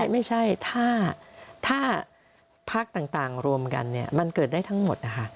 ไม่ถ้าพักต่างรวมกันเนี่ยมันเกิดได้ทั้งหมดค่ะ